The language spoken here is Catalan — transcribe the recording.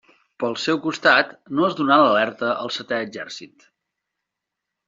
Pel seu costat, no es donà l'alerta al Setè Exèrcit.